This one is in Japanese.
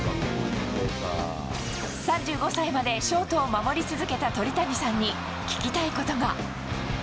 ３５歳までショートを守り続けた鳥谷さんに、聞きたいことが。